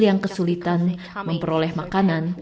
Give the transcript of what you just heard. yang kesulitan memperoleh makanan